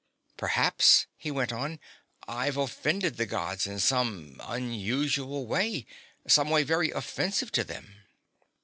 "Perhaps," he went on, "I've offended the Gods in some unusual way some way very offensive to them."